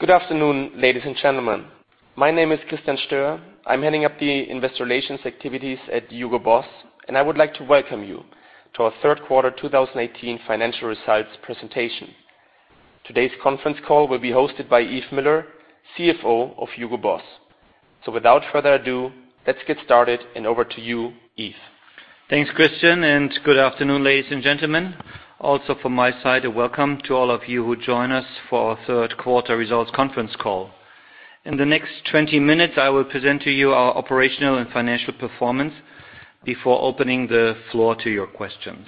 Good afternoon, ladies and gentlemen. My name is Christian Stoehr. I'm heading up the investor relations activities at Hugo Boss, I would like to welcome you to our third quarter 2018 financial results presentation. Today's conference call will be hosted by Yves Müller, CFO of Hugo Boss. Without further ado, let's get started, over to you, Yves. Thanks, Christian, good afternoon, ladies and gentlemen. Also from my side, a welcome to all of you who join us for our third quarter results conference call. In the next 20 minutes, I will present to you our operational and financial performance before opening the floor to your questions.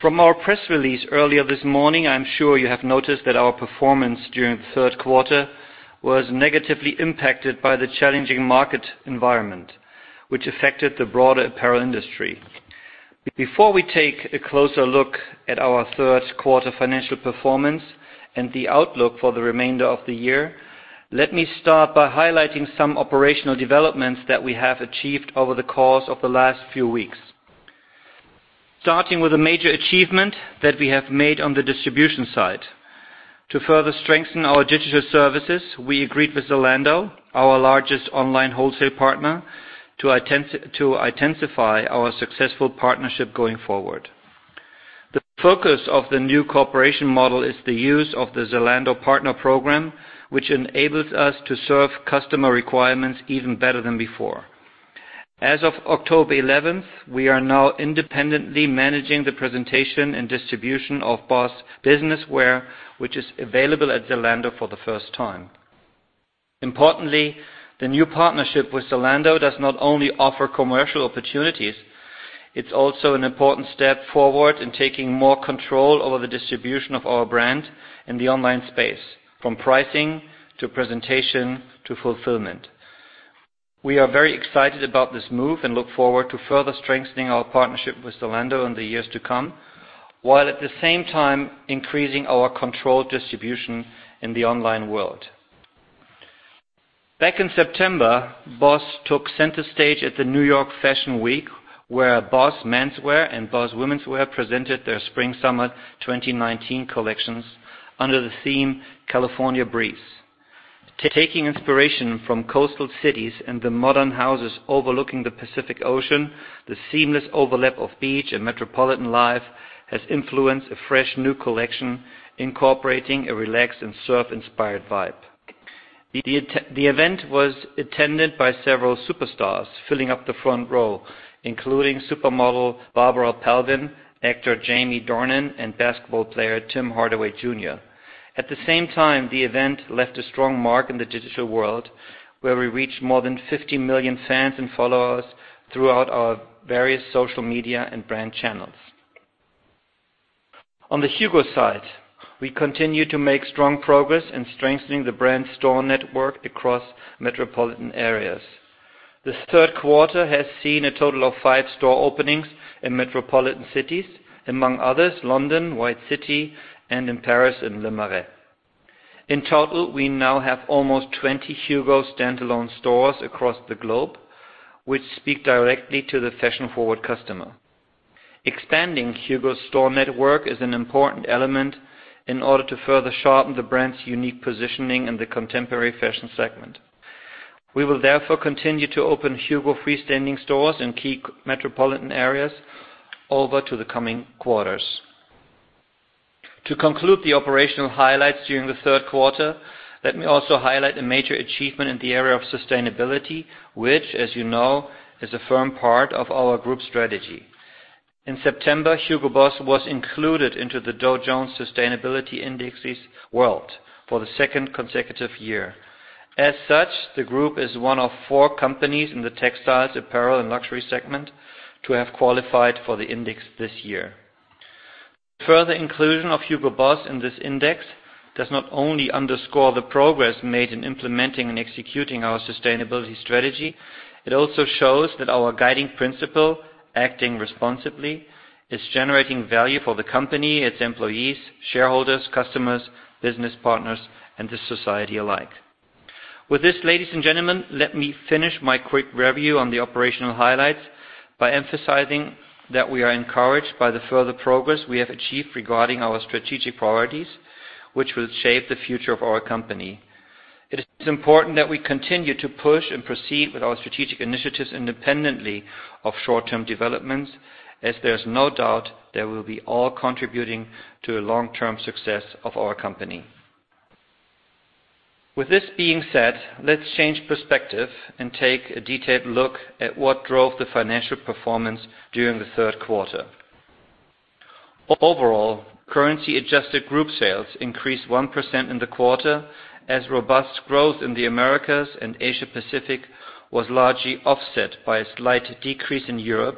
From our press release earlier this morning, I'm sure you have noticed that our performance during the third quarter was negatively impacted by the challenging market environment, which affected the broader apparel industry. Before we take a closer look at our third quarter financial performance and the outlook for the remainder of the year, let me start by highlighting some operational developments that we have achieved over the course of the last few weeks. Starting with a major achievement that we have made on the distribution side. To further strengthen our digital services, we agreed with Zalando, our largest online wholesale partner, to intensify our successful partnership going forward. The focus of the new cooperation model is the use of the Zalando Partner Program, which enables us to serve customer requirements even better than before. As of October 11th, we are now independently managing the presentation and distribution of BOSS Businesswear, which is available at Zalando for the first time. Importantly, the new partnership with Zalando does not only offer commercial opportunities, it's also an important step forward in taking more control over the distribution of our brand in the online space, from pricing to presentation to fulfillment. We are very excited about this move and look forward to further strengthening our partnership with Zalando in the years to come, while at the same time increasing our controlled distribution in the online world. Back in September, BOSS took center stage at the New York Fashion Week, where BOSS Menswear and BOSS Womenswear presented their spring/summer 2019 collections under the theme California Breeze. Taking inspiration from coastal cities and the modern houses overlooking the Pacific Ocean, the seamless overlap of beach and metropolitan life has influenced a fresh new collection incorporating a relaxed and surf-inspired vibe. The event was attended by several superstars filling up the front row, including supermodel Barbara Palvin, actor Jamie Dornan, and basketball player Tim Hardaway Jr. At the same time, the event left a strong mark in the digital world, where we reached more than 50 million fans and followers throughout our various social media and brand channels. On the HUGO side, we continue to make strong progress in strengthening the brand store network across metropolitan areas. This third quarter has seen a total of five store openings in metropolitan cities, among others, London White City and in Paris in Le Marais. In total, we now have almost 20 HUGO standalone stores across the globe, which speak directly to the fashion-forward customer. Expanding HUGO store network is an important element in order to further sharpen the brand's unique positioning in the contemporary fashion segment. We will therefore continue to open HUGO freestanding stores in key metropolitan areas over to the coming quarters. To conclude the operational highlights during the third quarter, let me also highlight a major achievement in the area of sustainability, which, as you know, is a firm part of our group strategy. In September, Hugo Boss was included into the Dow Jones Sustainability World Index for the second consecutive year. As such, the group is one of four companies in the textiles, apparel, and luxury segment to have qualified for the index this year. Further inclusion of Hugo Boss in this index does not only underscore the progress made in implementing and executing our sustainability strategy, it also shows that our guiding principle, acting responsibly, is generating value for the company, its employees, shareholders, customers, business partners, and the society alike. With this, ladies and gentlemen, let me finish my quick review on the operational highlights by emphasizing that we are encouraged by the further progress we have achieved regarding our strategic priorities, which will shape the future of our company. It is important that we continue to push and proceed with our strategic initiatives independently of short-term developments, as there is no doubt they will be all contributing to a long-term success of our company. With this being said, let's change perspective and take a detailed look at what drove the financial performance during the third quarter. Overall, currency-adjusted group sales increased 1% in the quarter as robust growth in the Americas and Asia Pacific was largely offset by a slight decrease in Europe,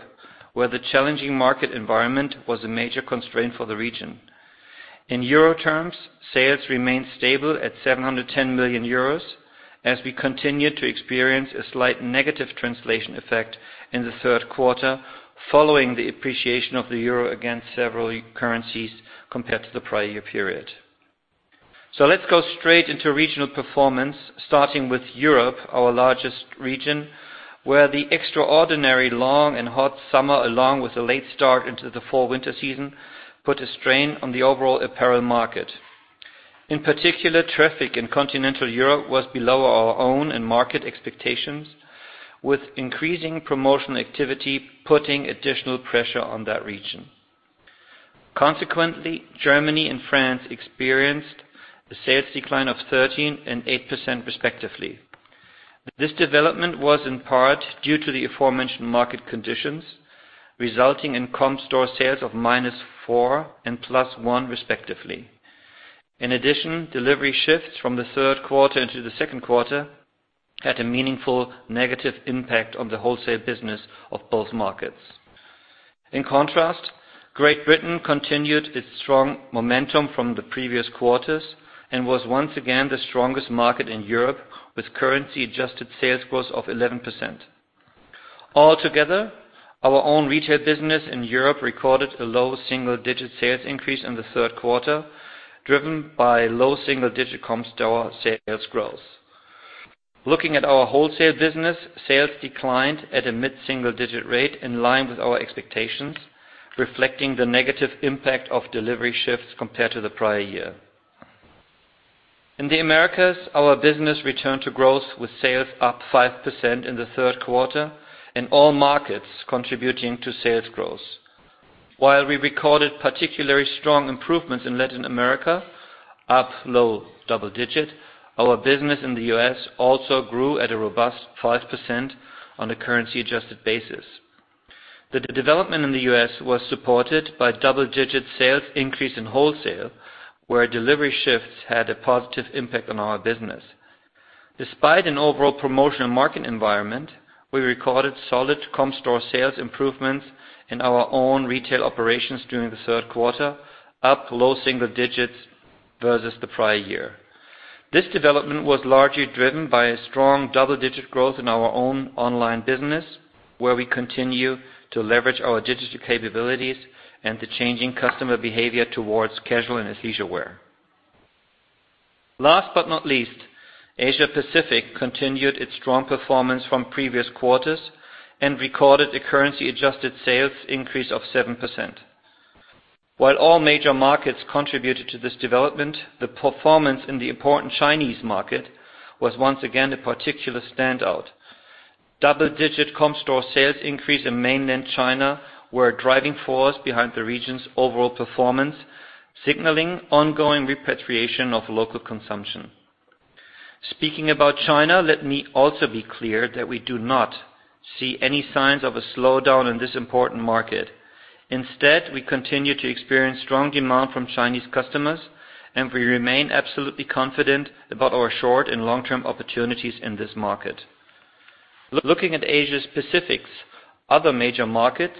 where the challenging market environment was a major constraint for the region. In EUR terms, sales remained stable at 710 million euros as we continued to experience a slight negative translation effect in the third quarter, following the appreciation of the EUR against several currencies compared to the prior year period. Let's go straight into regional performance, starting with Europe, our largest region. Where the extraordinary long and hot summer, along with a late start into the fall/winter season, put a strain on the overall apparel market. In particular, traffic in continental Europe was below our own and market expectations, with increasing promotional activity putting additional pressure on that region. Consequently, Germany and France experienced a sales decline of 13% and 8%, respectively. This development was in part due to the aforementioned market conditions, resulting in Comparable store sales of -4% and +1% respectively. In addition, delivery shifts from the third quarter into the second quarter had a meaningful negative impact on the wholesale business of both markets. In contrast, Great Britain continued its strong momentum from the previous quarters and was once again the strongest market in Europe, with currency-adjusted sales growth of 11%. Altogether, our own retail business in Europe recorded a low single-digit sales increase in the third quarter, driven by low single-digit Comparable store sales growth. Looking at our wholesale business, sales declined at a mid-single digit rate in line with our expectations, reflecting the negative impact of delivery shifts compared to the prior year. In the Americas, our business returned to growth with sales up 5% in the third quarter, and all markets contributing to sales growth. While we recorded particularly strong improvements in Latin America, up low double digit, our business in the U.S. also grew at a robust 5% on a currency adjusted basis. The development in the U.S. was supported by double-digit sales increase in wholesale, where delivery shifts had a positive impact on our business. Despite an overall promotional market environment, we recorded solid Comparable store sales improvements in our own retail operations during the third quarter, up low single digits versus the prior year. This development was largely driven by a strong double-digit growth in our own online business, where we continue to leverage our digital capabilities and the changing customer behavior towards casual and leisure wear. Last but not least, Asia-Pacific continued its strong performance from previous quarters and recorded a currency adjusted sales increase of 7%. While all major markets contributed to this development, the performance in the important Chinese market was once again a particular standout. Double-digit Comparable store sales increase in mainland China were a driving force behind the region's overall performance, signaling ongoing repatriation of local consumption. Speaking about China, let me also be clear that we do not see any signs of a slowdown in this important market. Instead, we continue to experience strong demand from Chinese customers, and we remain absolutely confident about our short and long-term opportunities in this market. Looking at Asia-Pacific's other major markets,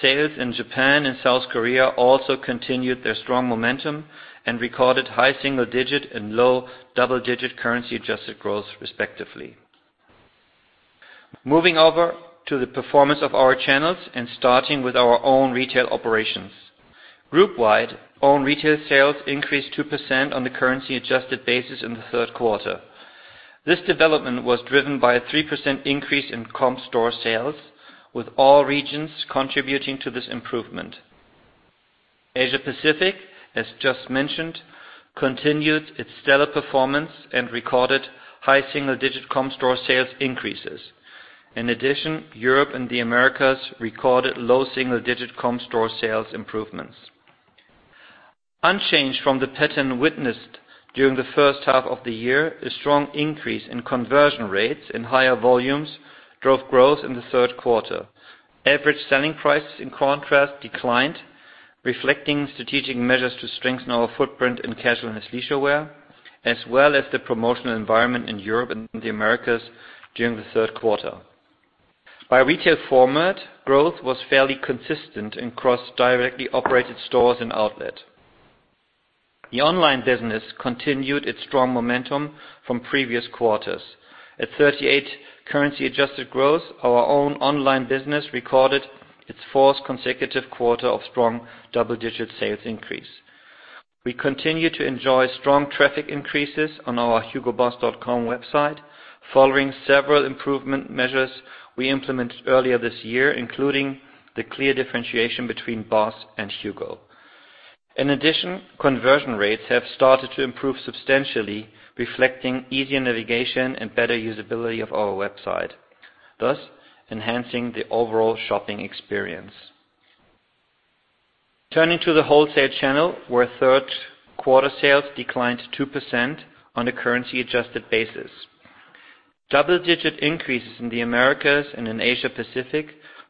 sales in Japan and South Korea also continued their strong momentum and recorded high single digit and low double-digit currency adjusted growth respectively. Moving over to the performance of our channels and starting with our own retail operations. Group-wide, own retail sales increased 2% on the currency adjusted basis in the third quarter. This development was driven by a 3% increase in Comparable store sales, with all regions contributing to this improvement. Asia-Pacific, as just mentioned, continued its stellar performance and recorded high single-digit Comparable store sales increases. In addition, Europe and the Americas recorded low single-digit Comparable store sales improvements. Unchanged from the pattern witnessed during the first half of the year, a strong increase in conversion rates and higher volumes drove growth in the third quarter. Average selling prices, in contrast, declined, reflecting strategic measures to strengthen our footprint in casual and leisure wear, as well as the promotional environment in Europe and the Americas during the third quarter. By retail format, growth was fairly consistent and crossed directly operated stores and outlet. The online business continued its strong momentum from previous quarters. At 38% currency adjusted growth, our own online business recorded its fourth consecutive quarter of strong double-digit sales increase. We continue to enjoy strong traffic increases on our hugoboss.com website following several improvement measures we implemented earlier this year, including the clear differentiation between BOSS and HUGO. In addition, conversion rates have started to improve substantially, reflecting easier navigation and better usability of our website, thus enhancing the overall shopping experience. Turning to the wholesale channel, where third quarter sales declined 2% on a currency adjusted basis. Double-digit increases in the Americas and in Asia-Pacific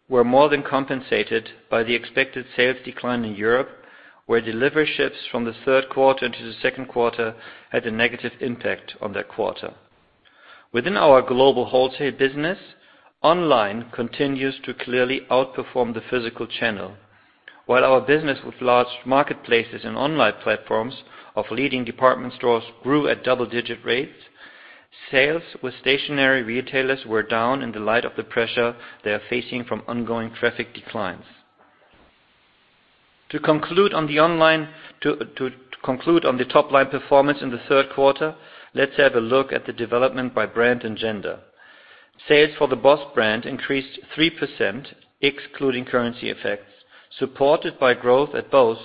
were more than compensated by the expected sales decline in Europe, where delivery shifts from the third quarter into the second quarter had a negative impact on that quarter. Within our global wholesale business, online continues to clearly outperform the physical channel. While our business with large marketplaces and online platforms of leading department stores grew at double-digit rates, sales with stationary retailers were down in the light of the pressure they are facing from ongoing traffic declines. To conclude on the top-line performance in the third quarter, let's have a look at the development by brand and gender. Sales for the BOSS brand increased 3%, excluding currency effects, supported by growth at both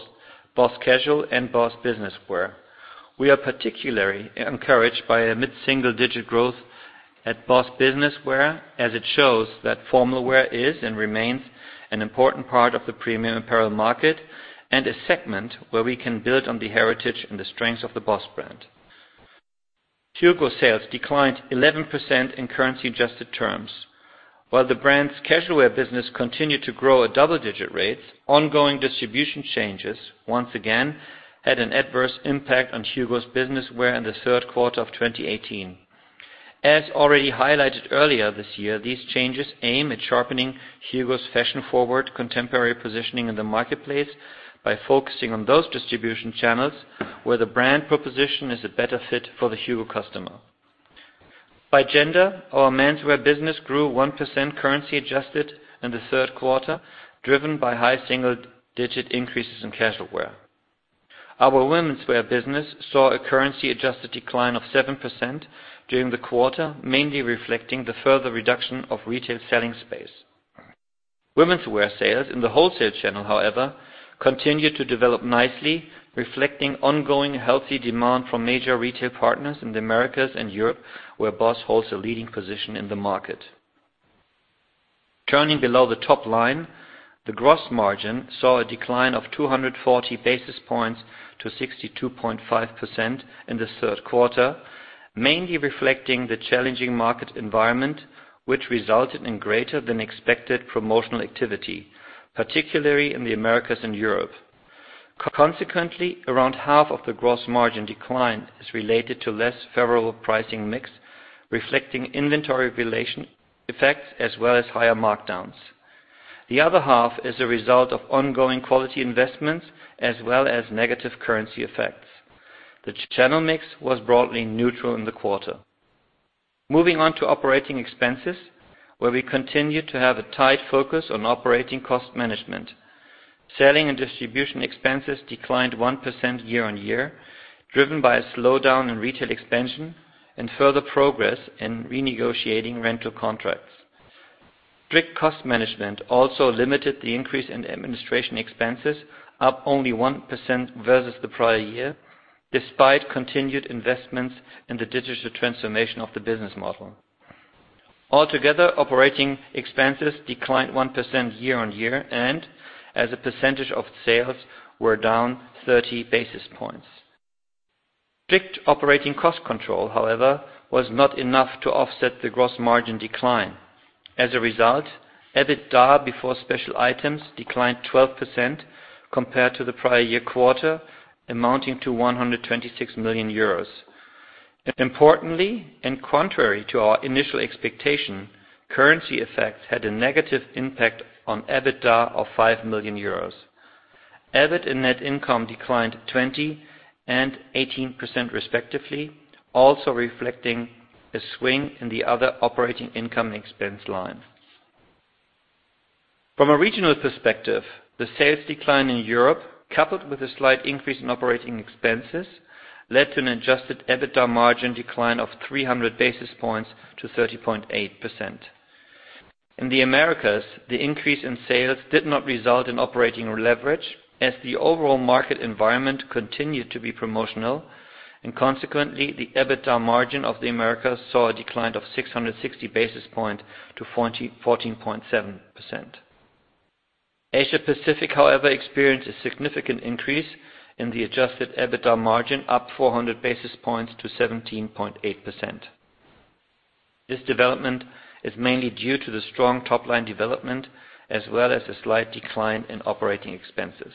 BOSS Casual and BOSS Businesswear. We are particularly encouraged by a mid-single digit growth at BOSS Businesswear, as it shows that formal wear is and remains an important part of the premium apparel market, and a segment where we can build on the heritage and the strengths of the BOSS brand. HUGO sales declined 11% in currency adjusted terms, while the brand's casual wear business continued to grow at double-digit rates. Ongoing distribution changes, once again, had an adverse impact on HUGO's Businesswear in the third quarter of 2018. As already highlighted earlier this year, these changes aim at sharpening HUGO's fashion-forward contemporary positioning in the marketplace by focusing on those distribution channels where the brand proposition is a better fit for the HUGO customer. By gender, our menswear business grew 1% currency adjusted in the third quarter, driven by high single-digit increases in casual wear. Our womenswear business saw a currency adjusted decline of 7% during the quarter, mainly reflecting the further reduction of retail selling space. Womenswear sales in the wholesale channel, however, continued to develop nicely, reflecting ongoing healthy demand from major retail partners in the Americas and Europe, where BOSS holds a leading position in the market. Turning below the top-line, the gross margin saw a decline of 240 basis points to 62.5% in the third quarter, mainly reflecting the challenging market environment, which resulted in greater than expected promotional activity, particularly in the Americas and Europe. Consequently, around half of the gross margin decline is related to less favorable pricing mix, reflecting inventory relation effects as well as higher markdowns. The other half is a result of ongoing quality investments as well as negative currency effects. The channel mix was broadly neutral in the quarter. Moving on to operating expenses, where we continue to have a tight focus on operating cost management. Selling and distribution expenses declined 1% year-on-year, driven by a slowdown in retail expansion and further progress in renegotiating rental contracts. Strict cost management also limited the increase in administration expenses up only 1% versus the prior year, despite continued investments in the digital transformation of the business model. Altogether, operating expenses declined 1% year-on-year, and as a percentage of sales were down 30 basis points. Strict operating cost control, however, was not enough to offset the gross margin decline. As a result, EBITDA before special items declined 12% compared to the prior year quarter, amounting to 126 million euros. Importantly, and contrary to our initial expectation, currency effects had a negative impact on EBITDA of 5 million euros. EBIT and net income declined 20% and 18% respectively, also reflecting a swing in the other operating income expense line. From a regional perspective, the sales decline in Europe, coupled with a slight increase in operating expenses, led to an adjusted EBITDA margin decline of 300 basis points to 30.8%. In the Americas, the increase in sales did not result in operating leverage, as the overall market environment continued to be promotional, consequently, the EBITDA margin of the Americas saw a decline of 660 basis points to 14.7%. Asia-Pacific, however, experienced a significant increase in the adjusted EBITDA margin, up 400 basis points to 17.8%. This development is mainly due to the strong top-line development, as well as a slight decline in operating expenses.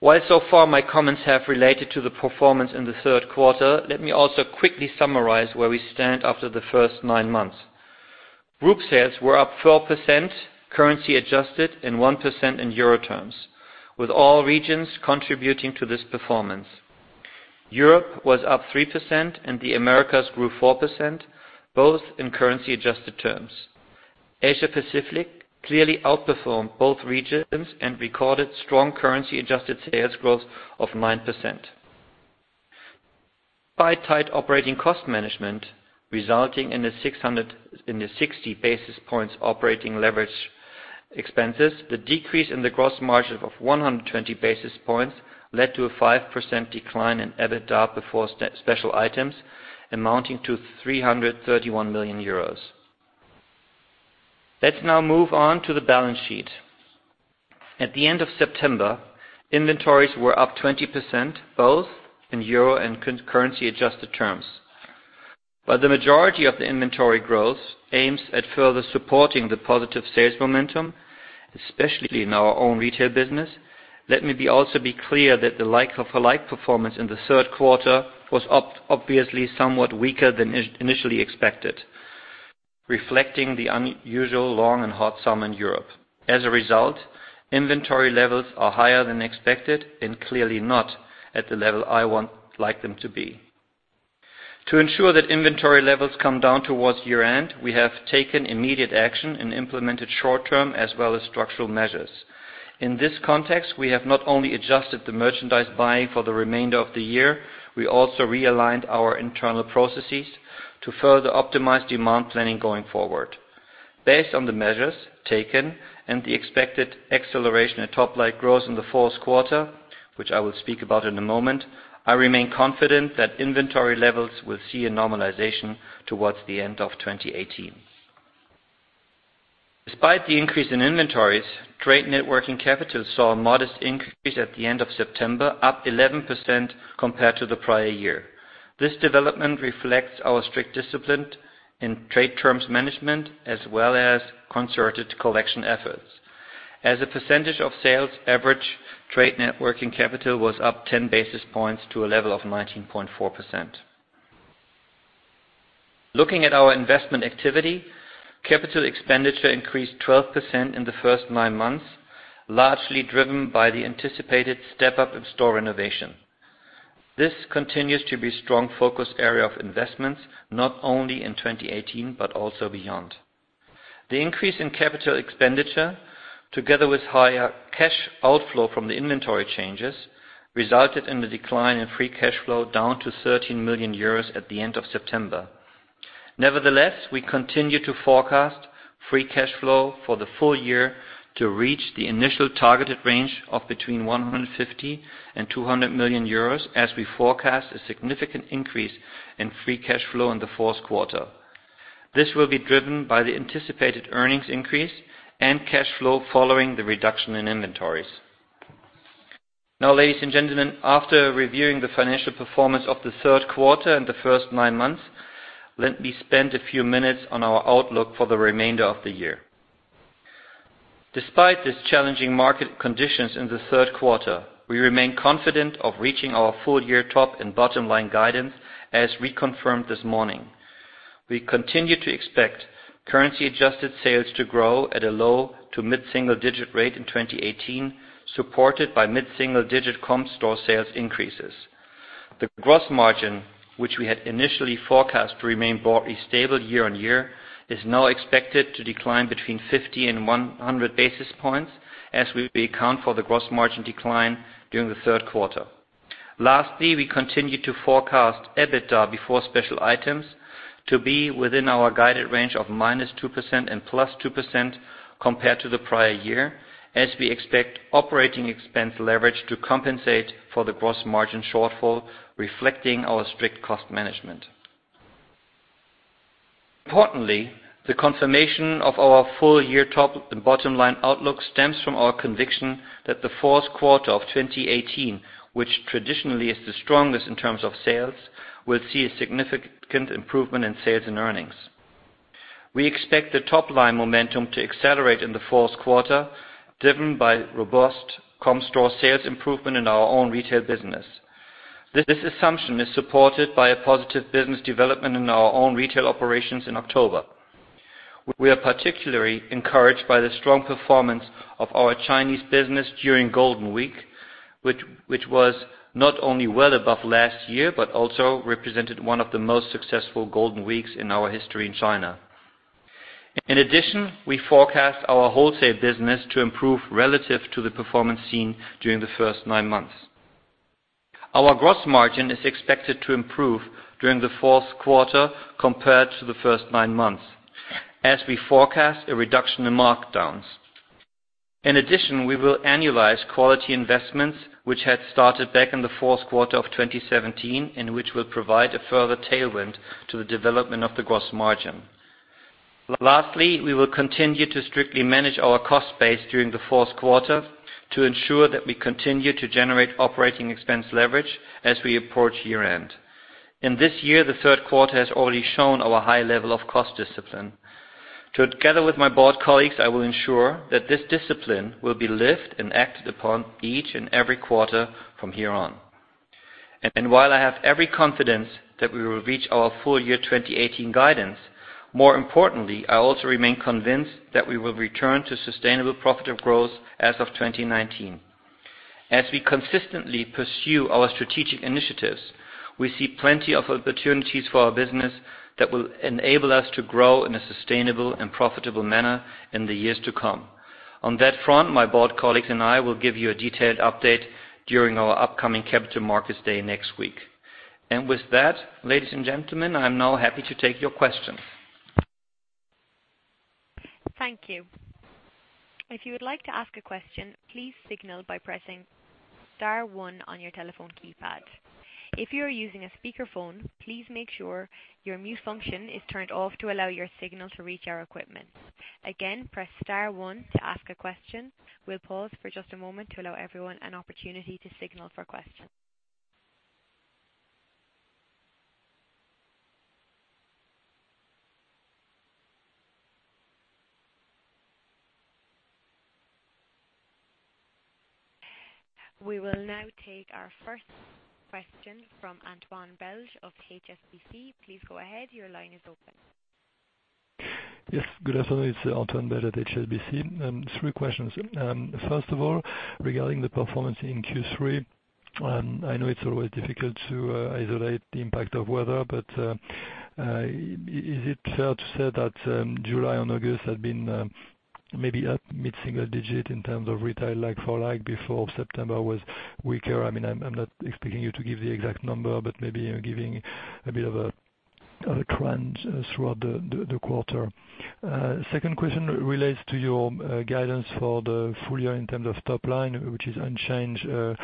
While so far my comments have related to the performance in the third quarter, let me also quickly summarize where we stand after the first nine months. Group sales were up 4% currency adjusted and 1% in EUR terms, with all regions contributing to this performance. Europe was up 3% and the Americas grew 4%, both in currency adjusted terms. Asia-Pacific clearly outperformed both regions and recorded strong currency adjusted sales growth of 9%. By tight operating cost management resulting in the 60 basis points operating leverage expenses, the decrease in the gross margin of 120 basis points led to a 5% decline in EBITDA before special items, amounting to 331 million euros. Let's now move on to the balance sheet. At the end of September, inventories were up 20%, both in EUR and currency adjusted terms. While the majority of the inventory growth aims at further supporting the positive sales momentum, especially in our own retail business, let me also be clear that the like-for-like performance in the third quarter was obviously somewhat weaker than initially expected, reflecting the unusual long and hot summer in Europe. As a result, inventory levels are higher than expected and clearly not at the level I would like them to be. To ensure that inventory levels come down towards year-end, we have taken immediate action and implemented short-term as well as structural measures. In this context, we have not only adjusted the merchandise buying for the remainder of the year, we also realigned our internal processes to further optimize demand planning going forward. Based on the measures taken and the expected acceleration of top-line growth in the fourth quarter, which I will speak about in a moment, I remain confident that inventory levels will see a normalization towards the end of 2018. Despite the increase in inventories, trade net working capital saw a modest increase at the end of September, up 11% compared to the prior year. This development reflects our strict discipline in trade terms management as well as concerted collection efforts. As a percentage of sales, average trade net working capital was up 10 basis points to a level of 19.4%. Looking at our investment activity, capital expenditure increased 12% in the first nine months, largely driven by the anticipated step-up in store renovation. This continues to be a strong focus area of investments, not only in 2018 but also beyond. The increase in capital expenditure, together with higher cash outflow from the inventory changes, resulted in the decline in free cash flow down to €13 million at the end of September. Nevertheless, we continue to forecast free cash flow for the full-year to reach the initial targeted range of between €150 and €200 million as we forecast a significant increase in free cash flow in the fourth quarter. This will be driven by the anticipated earnings increase and cash flow following the reduction in inventories. Ladies and gentlemen, after reviewing the financial performance of the third quarter and the first nine months, let me spend a few minutes on our outlook for the remainder of the year. Despite these challenging market conditions in the third quarter, we remain confident of reaching our full-year top and bottom line guidance as reconfirmed this morning. We continue to expect currency-adjusted sales to grow at a low to mid-single-digit rate in 2018, supported by mid-single-digit Comparable store sales increases. The gross margin, which we had initially forecast to remain broadly stable year on year, is now expected to decline between 50 and 100 basis points as we account for the gross margin decline during the third quarter. Lastly, we continue to forecast EBITDA before special items to be within our guided range of -2% and +2% compared to the prior year as we expect operating expense leverage to compensate for the gross margin shortfall, reflecting our strict cost management. Importantly, the confirmation of our full-year top and bottom line outlook stems from our conviction that the fourth quarter of 2018, which traditionally is the strongest in terms of sales, will see a significant improvement in sales and earnings. We expect the top-line momentum to accelerate in the fourth quarter, driven by robust Comparable store sales improvement in our own retail business. This assumption is supported by a positive business development in our own retail operations in October. We are particularly encouraged by the strong performance of our Chinese business during Golden Week, which was not only well above last year but also represented one of the most successful Golden Weeks in our history in China. We forecast our wholesale business to improve relative to the performance seen during the first nine months. Our gross margin is expected to improve during the fourth quarter compared to the first nine months as we forecast a reduction in markdowns. We will annualize quality investments which had started back in the fourth quarter of 2017 and which will provide a further tailwind to the development of the gross margin. Lastly, we will continue to strictly manage our cost base during the fourth quarter to ensure that we continue to generate operating expense leverage as we approach year-end. In this year, the third quarter has already shown our high level of cost discipline. Together with my board colleagues, I will ensure that this discipline will be lived and acted upon each and every quarter from here on. While I have every confidence that we will reach our full-year 2018 guidance, more importantly, I also remain convinced that we will return to sustainable profitable growth as of 2019. As we consistently pursue our strategic initiatives, we see plenty of opportunities for our business that will enable us to grow in a sustainable and profitable manner in the years to come. On that front, my board colleagues and I will give you a detailed update during our upcoming Capital Markets Day next week. With that, ladies and gentlemen, I am now happy to take your questions. Thank you. If you would like to ask a question, please signal by pressing star one on your telephone keypad. If you are using a speakerphone, please make sure your mute function is turned off to allow your signal to reach our equipment. Again, press star one to ask a question. We'll pause for just a moment to allow everyone an opportunity to signal for questions. We will now take our first question from Antoine Belge of HSBC. Please go ahead. Your line is open. Yes. Good afternoon. It's Antoine Belge at HSBC. Three questions. First of all, regarding the performance in Q3, I know it's always difficult to isolate the impact of weather, but is it fair to say that July and August had been maybe up mid-single digit in terms of retail like-for-like, before September was weaker? I'm not expecting you to give the exact number, but maybe you're giving a bit of a trend throughout the quarter. Second question relates to your guidance for the full year in terms of top line, which is unchanged overall.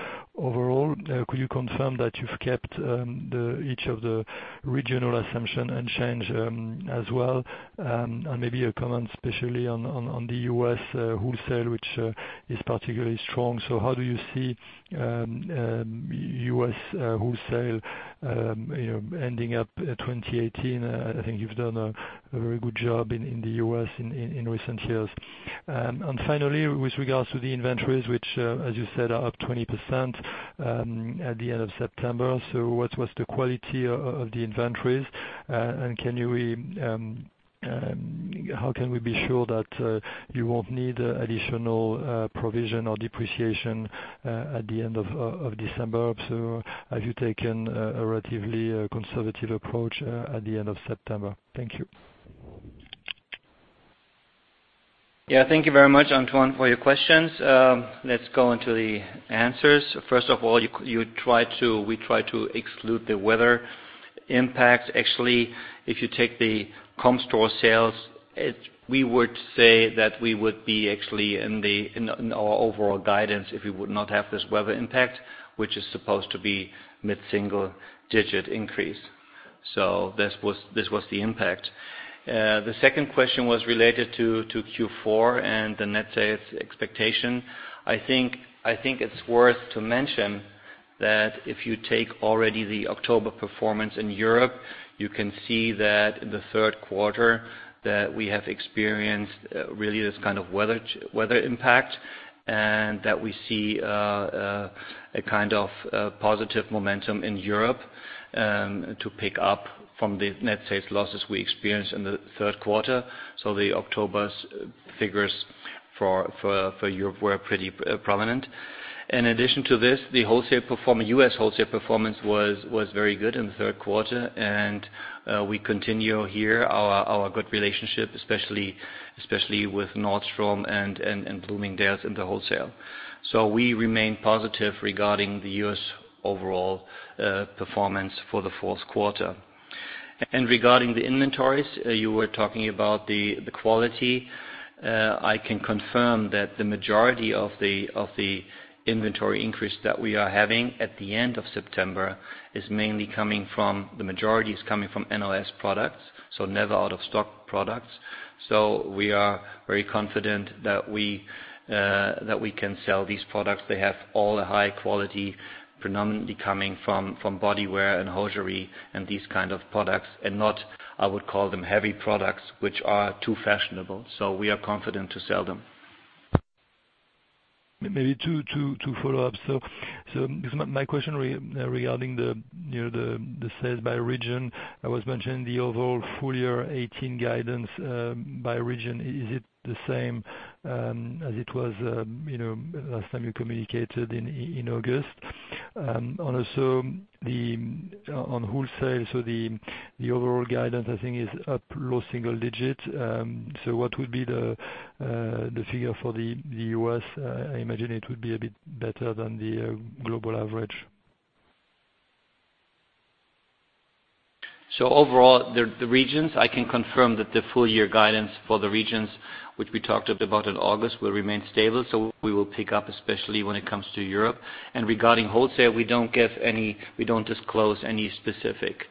Could you confirm that you've kept each of the regional assumption unchanged as well? Maybe a comment, especially on the U.S. wholesale, which is particularly strong. How do you see U.S. wholesale ending up 2018? I think you've done a very good job in the U.S. in recent years. Finally, with regards to the inventories, which as you said, are up 20% at the end of September. What was the quality of the inventories? How can we be sure that you won't need additional provision or depreciation at the end of December? Have you taken a relatively conservative approach at the end of September? Thank you. Thank you very much, Antoine, for your questions. Let's go into the answers. First of all, we try to exclude the weather impact. Actually, if you take the Comparable store sales, we would say that we would be actually in our overall guidance if we would not have this weather impact, which is supposed to be mid-single digit increase. This was the impact. The second question was related to Q4 and the net sales expectation. I think it is worth to mention that if you take already the October performance in Europe, you can see that in the third quarter that we have experienced really this weather impact, and that we see a positive momentum in Europe to pick up from the net sales losses we experienced in the third quarter. The October figures for Europe were pretty prominent. In addition to this, the U.S. wholesale performance was very good in the third quarter, and we continue here our good relationship, especially with Nordstrom and Bloomingdale's in the wholesale. We remain positive regarding the U.S. overall performance for the fourth quarter. Regarding the inventories, you were talking about the quality. I can confirm that the majority of the inventory increase that we are having at the end of September, the majority is coming from NOS products, never out of stock products. We are very confident that we can sell these products. They have all the high quality predominantly coming from body wear and hosiery and these kind of products, and not, I would call them heavy products, which are too fashionable. We are confident to sell them. Maybe two follow-ups. My question regarding the sales by region. I was mentioning the overall full year 2018 guidance by region. Is it the same as it was last time you communicated in August? Also on wholesale, the overall guidance, I think, is up low single digits. What would be the figure for the U.S.? I imagine it would be a bit better than the global average. Overall, the regions, I can confirm that the full-year guidance for the regions, which we talked about in August, will remain stable. We will pick up, especially when it comes to Europe. Regarding wholesale, we do not disclose any specific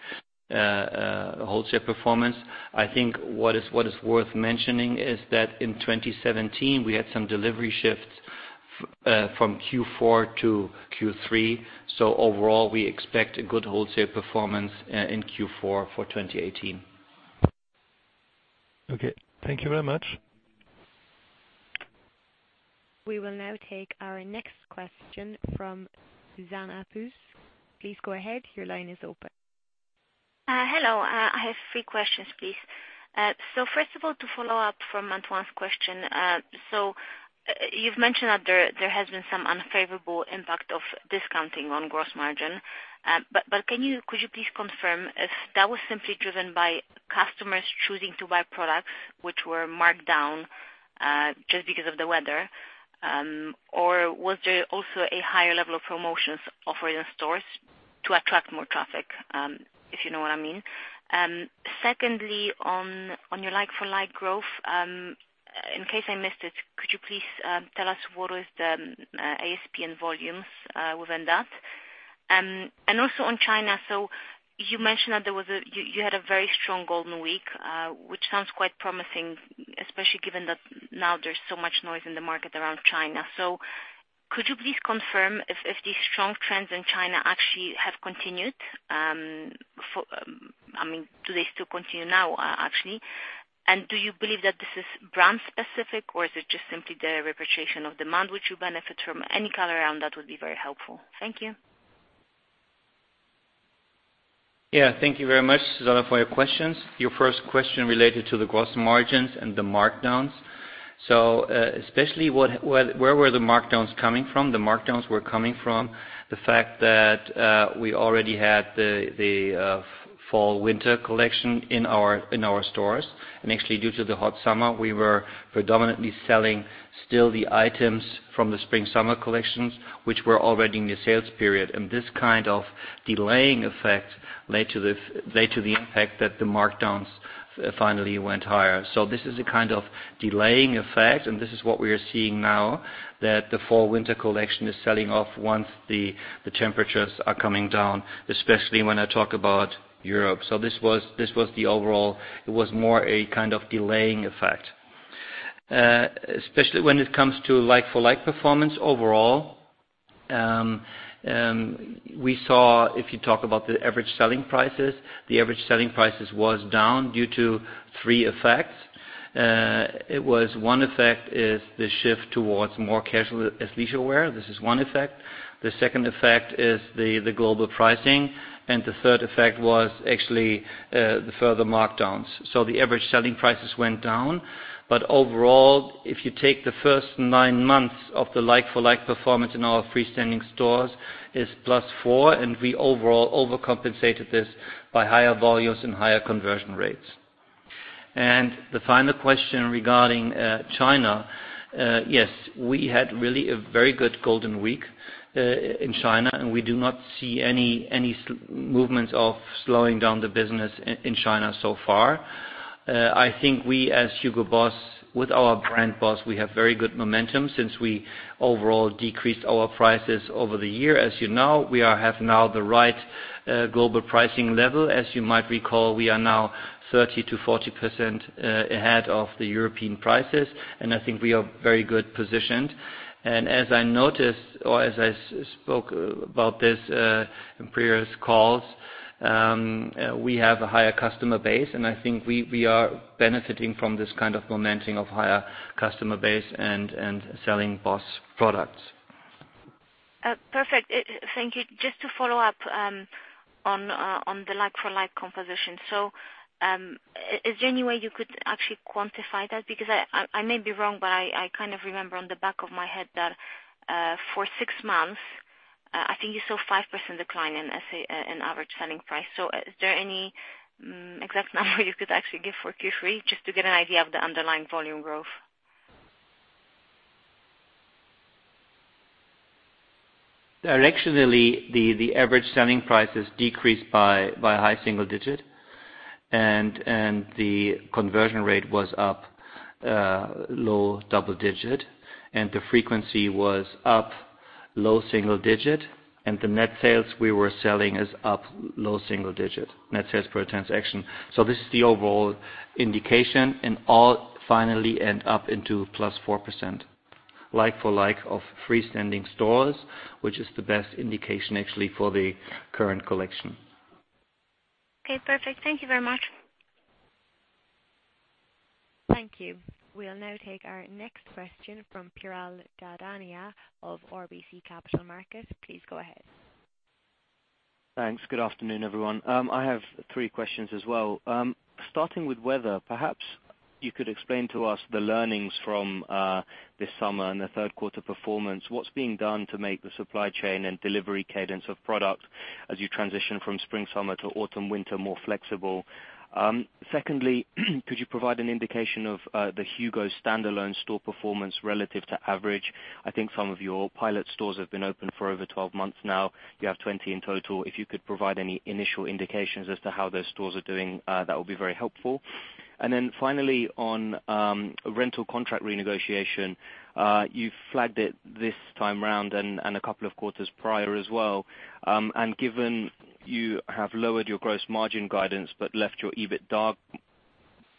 wholesale performance. I think what is worth mentioning is that in 2017, we had some delivery shifts from Q4 to Q3. Overall, we expect a good wholesale performance in Q4 for 2018. Okay. Thank you very much. We will now take our next question from Susanne Apus. Please go ahead. Your line is open. Hello. I have three questions, please. First of all, to follow up from Antoine's question. You've mentioned that there has been some unfavorable impact of discounting on gross margin. Could you please confirm if that was simply driven by customers choosing to buy products which were marked down just because of the weather? Or was there also a higher level of promotions offered in stores to attract more traffic? If you know what I mean. Secondly, on your like-for-like growth, in case I missed it, could you please tell us what is the ASP and volumes within that? Also on China, you mentioned that you had a very strong Golden Week, which sounds quite promising, especially given that now there's so much noise in the market around China. Could you please confirm if these strong trends in China actually have continued? Do they still continue now actually? Do you believe that this is brand specific or is it just simply the repatriation of demand which you benefit from? Any color around that would be very helpful. Thank you. Yeah. Thank you very much, Zana, for your questions. Your first question related to the gross margins and the markdowns. Especially where were the markdowns coming from? The markdowns were coming from the fact that we already had the fall winter collection in our stores. Actually, due to the hot summer, we were predominantly selling still the items from the spring summer collections, which were already in the sales period. This kind of delaying effect led to the impact that the markdowns finally went higher. This is a kind of delaying effect, and this is what we are seeing now, that the fall winter collection is selling off once the temperatures are coming down, especially when I talk about Europe. This was the overall, it was more a kind of delaying effect. Especially when it comes to like-for-like performance overall, we saw, if you talk about the average selling prices, the average selling prices was down due to three effects. One effect is the shift towards more casual athleisure wear. This is one effect. The second effect is the global pricing, the third effect was actually the further markdowns. The average selling prices went down. Overall, if you take the first nine months of the like-for-like performance in our freestanding stores is +4, we overall overcompensated this by higher volumes and higher conversion rates. The final question regarding China. Yes, we had really a very good Golden Week in China, and we do not see any movements of slowing down the business in China so far. I think we, as Hugo Boss, with our brand BOSS, we have very good momentum since we overall decreased our prices over the year. As you know, we have now the right global pricing level. As you might recall, we are now 30%-40% ahead of the European prices, I think we are very good positioned. As I spoke about this in previous calls, we have a higher customer base, I think we are benefiting from this kind of momentum of higher customer base and selling BOSS products. Perfect. Thank you. Just to follow up on the like-for-like composition. Is there any way you could actually quantify that? Because I may be wrong, but I kind of remember on the back of my head that for six months, I think you saw 5% decline in average selling price. Is there any exact number you could actually give for Q3 just to get an idea of the underlying volume growth? Directionally, the average selling prices decreased by a high single digit. The conversion rate was up low double digit. The frequency was up low single digit. The net sales we were selling is up low single digit. Net sales per transaction. This is the overall indication, and all finally end up into +4% like-for-like of freestanding stores, which is the best indication actually for the current collection. Okay, perfect. Thank you very much. Thank you. We'll now take our next question from Piral Dadhania of RBC Capital Markets. Please go ahead. Thanks. Good afternoon, everyone. I have three questions as well. Starting with weather, perhaps you could explain to us the learnings from this summer and the third quarter performance. What's being done to make the supply chain and delivery cadence of product as you transition from spring summer to autumn winter more flexible? Secondly, could you provide an indication of the HUGO standalone store performance relative to average? I think some of your pilot stores have been open for over 12 months now. You have 20 in total. If you could provide any initial indications as to how those stores are doing that will be very helpful. Then finally, on rental contract renegotiation. You flagged it this time around and a couple of quarters prior as well. Given you have lowered your gross margin guidance but left your EBITDA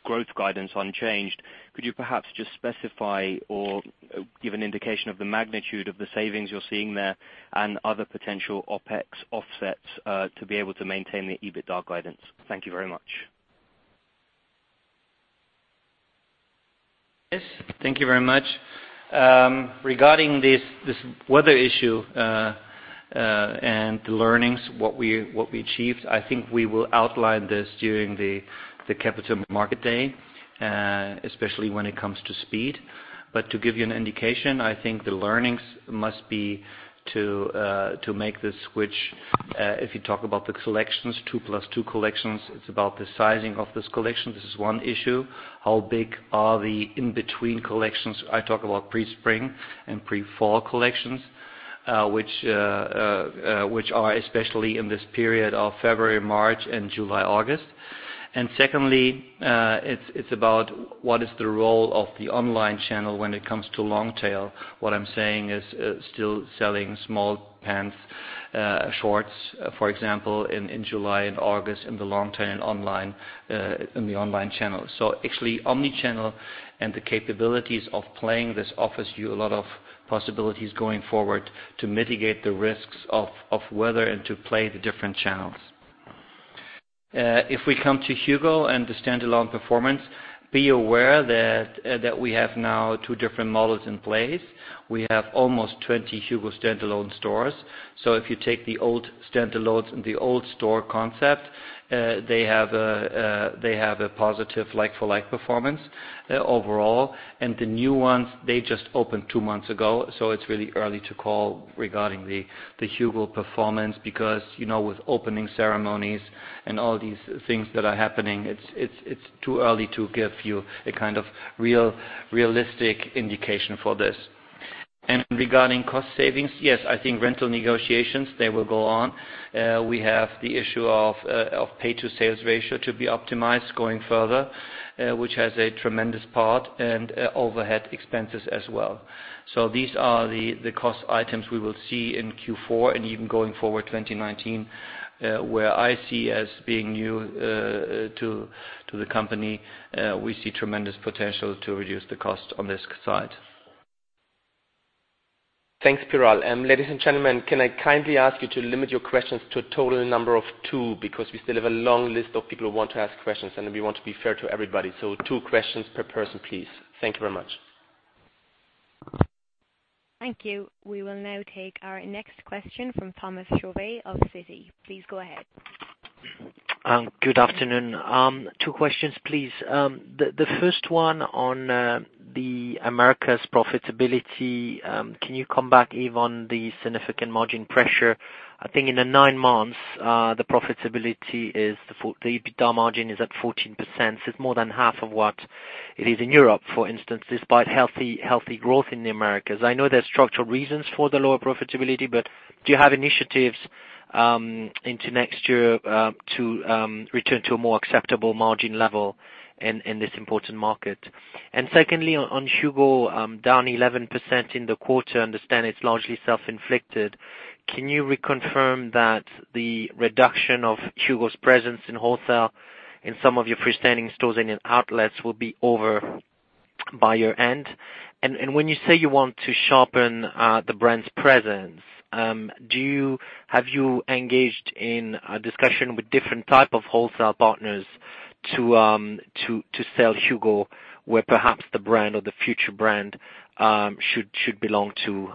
growth guidance unchanged, could you perhaps just specify or give an indication of the magnitude of the savings you are seeing there and other potential OpEx offsets to be able to maintain the EBITDA guidance? Thank you very much. Yes, thank you very much. Regarding this weather issue and the learnings, what we achieved, I think we will outline this during the Capital Market Day, especially when it comes to speed. To give you an indication, I think the learnings must be to make the switch. If you talk about the collections, two plus two collections, it is about the sizing of this collection. This is one issue. How big are the in-between collections? I talk about pre-spring and pre-fall collections, which are especially in this period of February, March and July, August. Secondly, it is about what is the role of the online channel when it comes to long tail. What I am saying is still selling small pants, shorts, for example, in July and August in the long tail in the online channel. Actually omni-channel and the capabilities of playing this offers you a lot of possibilities going forward to mitigate the risks of weather and to play the different channels. If we come to HUGO and the standalone performance, be aware that we have now two different models in place. We have almost 20 HUGO standalone stores. If you take the old standalones and the old store concept, they have a positive like-for-like performance overall. The new ones, they just opened two months ago, so it is really early to call regarding the HUGO performance, because with opening ceremonies and all these things that are happening, it is too early to give you a kind of realistic indication for this. Regarding cost savings, yes, I think rental negotiations, they will go on. We have the issue of Price-to-sales ratio to be optimized going further, which has a tremendous part and overhead expenses as well. These are the cost items we will see in Q4 and even going forward 2019, where I see as being new to the company. We see tremendous potential to reduce the cost on this side. Thanks, Piral. Ladies and gentlemen, can I kindly ask you to limit your questions to a total number of two, because we still have a long list of people who want to ask questions, and we want to be fair to everybody. Two questions per person, please. Thank you very much. Thank you. We will now take our next question from Thomas Chauvet of Citi. Please go ahead. Good afternoon. Two questions, please. The first one on the Americas profitability. Can you come back, Yves, on the significant margin pressure? I think in the nine months, the EBITDA margin is at 14%, so it's more than half of what it is in Europe, for instance, despite healthy growth in the Americas. I know there's structural reasons for the lower profitability, but do you have initiatives into next year to return to a more acceptable margin level in this important market? Secondly, on HUGO, down 11% in the quarter. Understand it's largely self-inflicted. Can you reconfirm that the reduction of HUGO's presence in wholesale in some of your freestanding stores and in outlets will be over by year-end? When you say you want to sharpen the brand's presence, have you engaged in a discussion with different type of wholesale partners to sell HUGO, where perhaps the brand or the future brand should belong to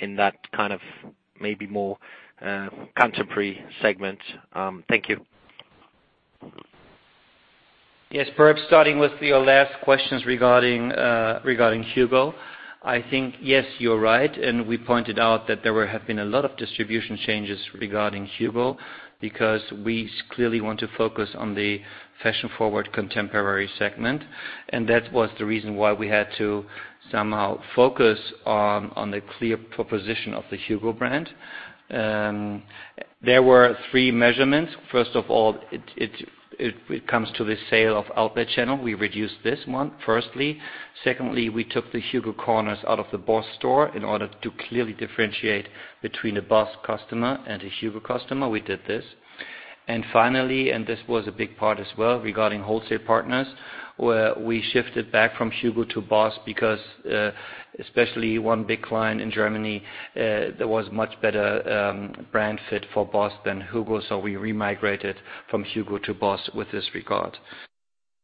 in that kind of maybe more contemporary segment? Thank you. Yes, perhaps starting with your last questions regarding HUGO. I think, yes, you're right. We pointed out that there have been a lot of distribution changes regarding HUGO, because we clearly want to focus on the fashion-forward contemporary segment. That was the reason why we had to somehow focus on the clear proposition of the HUGO brand. There were three measurements. Firstly, it comes to the sale of outlet channel. We reduced this one, firstly. Secondly, we took the HUGO corners out of the BOSS store in order to clearly differentiate between a BOSS customer and a HUGO customer. We did this. Finally, this was a big part as well, regarding wholesale partners, where we shifted back from HUGO to BOSS because, especially one big client in Germany, there was much better brand fit for BOSS than HUGO, so we remigrated from HUGO to BOSS with this regard.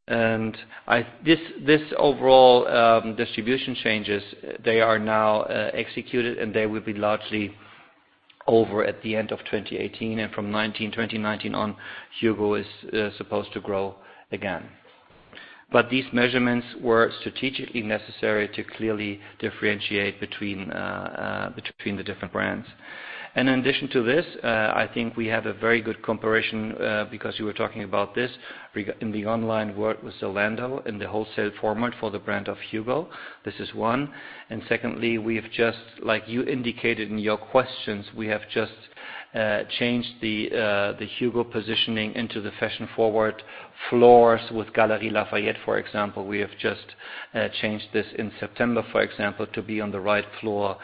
This overall distribution changes, they are now executed, and they will be largely over at the end of 2018. From 2019 on, HUGO is supposed to grow again. These measurements were strategically necessary to clearly differentiate between the different brands. In addition to this, I think we have a very good comparison, because you were talking about this in the online world with Zalando in the wholesale format for the brand of HUGO. This is one. Secondly, we have just, like you indicated in your questions, we have just changed the HUGO positioning into the fashion-forward floors with Galeries Lafayette, for example. We have just changed this in September, for example, to be on the right floor,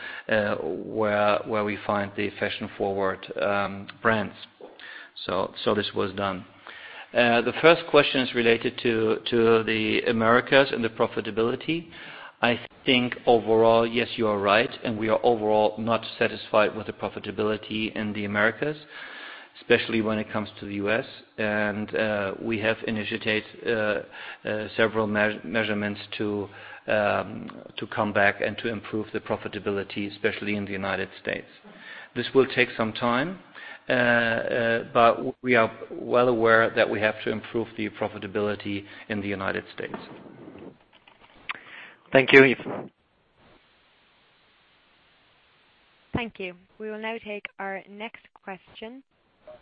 where we find the fashion-forward brands. This was done. The first question is related to the Americas and the profitability. I think overall, yes, you are right. We are overall not satisfied with the profitability in the Americas, especially when it comes to the U.S. We have initiated several measurements to come back and to improve the profitability, especially in the United States. This will take some time, but we are well aware that we have to improve the profitability in the United States. Thank you, Yves. Thank you. We will now take our next question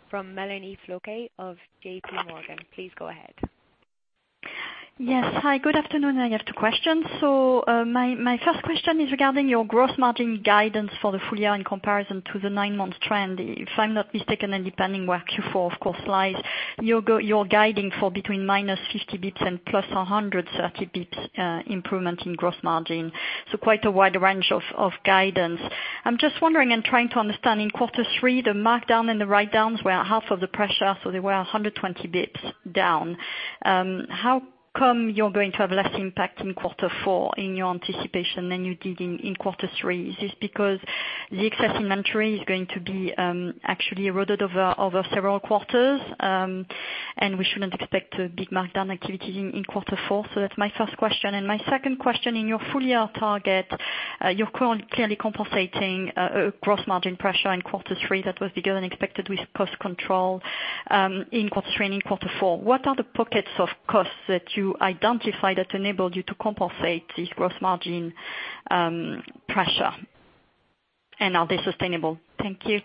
from Chiara Battistini of JPMorgan. Please go ahead. Yes. Hi, good afternoon. I have two questions. My first question is regarding your gross margin guidance for the full year in comparison to the nine-month trend. If I'm not mistaken, and depending where Q4, of course, lies, you're guiding for between minus 50 basis points and plus 130 basis points improvement in gross margin. Quite a wide range of guidance. I'm just wondering and trying to understand, in quarter three, the markdown and the write-downs were half of the pressure, they were 120 basis points down. How come you're going to have less impact in quarter four in your anticipation than you did in quarter three? Is this because the excess inventory is going to be actually eroded over several quarters, and we shouldn't expect a big markdown activity in quarter four. That's my first question. My second question, in your full-year target, you're clearly compensating a gross margin pressure in quarter three that was bigger than expected with cost control in quarter three and in quarter four. What are the pockets of costs that you identified that enabled you to compensate this gross margin pressure, and are they sustainable? Thank you.